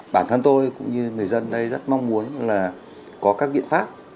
bản thân tôi cũng như người dân đây rất mong muốn là có các biện pháp